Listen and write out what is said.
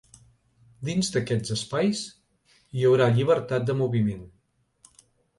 Dins d’aquests espais, hi haurà llibertat de moviment.